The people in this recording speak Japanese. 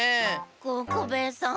ココベエさん